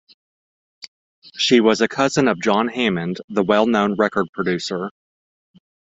She was a cousin of John Hammond, the well-known record producer.